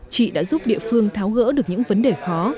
chị đã giúp địa phương tháo gỡ được những vấn đề khó